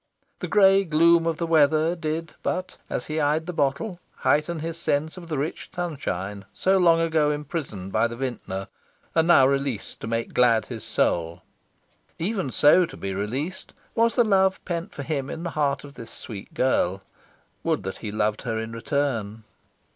The grey gloom of the weather did but, as he eyed the bottle, heighten his sense of the rich sunshine so long ago imprisoned by the vintner and now released to make glad his soul. Even so to be released was the love pent for him in the heart of this sweet girl. Would that he loved her in return!...